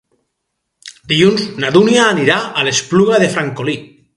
Dilluns na Dúnia anirà a l'Espluga de Francolí.